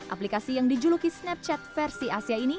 aplikasi yang dijuluki snapchat versi asia ini